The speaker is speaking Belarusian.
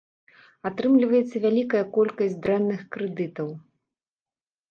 Атрымліваецца вялікая колькасць дрэнных крэдытаў.